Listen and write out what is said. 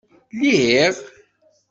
Lliɣ?